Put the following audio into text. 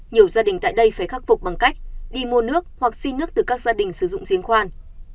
nhiều gia đình tại đây phải khắc phục bằng cách đi mua nước hoặc xin nước từ các gia đình sử dụng riêng khoan